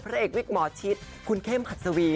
เอกวิกหมอชิดคุณเข้มหัดสวี